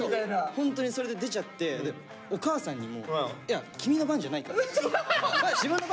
ホントにそれで出ちゃってお母さんにも自分の番じゃないから。